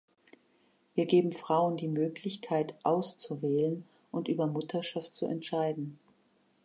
Wir geben Frauen die Möglichkeit, auszuwählen und über Mutterschaft zu entscheiden.